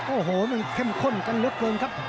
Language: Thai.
โอ้โหมันเข้มข้นกันเหลือเกินครับ